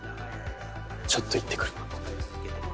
ちょっと行ってくる。